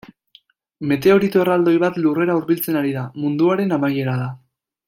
Meteorito erraldoi bat Lurrera hurbiltzen ari da: Munduaren amaiera da.